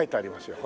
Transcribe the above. ほら。